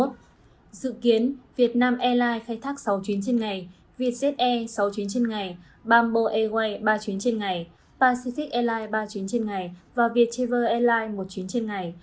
dự kiến việt nam airline khai thác sáu chuyến trên ngày vietjet air sáu chuyến trên ngày bamboo airway ba chuyến trên ngày pacific airline ba chuyến trên ngày và vietchaver airline một chuyến trên ngày